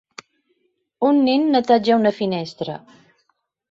Un nen neteja una finestra.